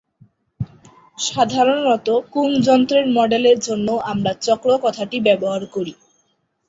সাধারণত কোন যন্ত্রের মডেলের জন্য আমরা 'চক্র' কথাটি ব্যবহার করি।